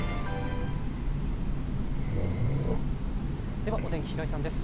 ではお天気、平井さんです。